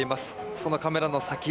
そのカメラの先